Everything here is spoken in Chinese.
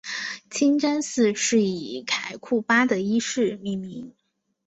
清真寺是以凯库巴德一世命名。